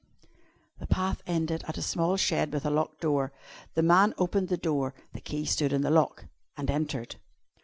The path ended at a small shed with a locked door. The man opened the door the key stood in the lock and entered.